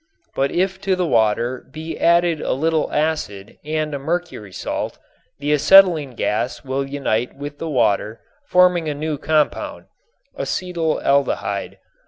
But if to the water be added a little acid and a mercury salt, the acetylene gas will unite with the water forming a new compound, acetaldehyde.